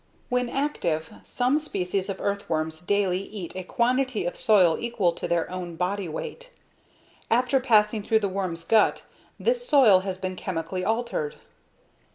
When active, some species of earthworms daily eat a quantity of soil equal to their own body weight. After passing through the worm's gut, this soil has been chemically altered.